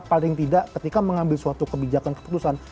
paling tidak ketika mengambil suatu kebijakan keputusan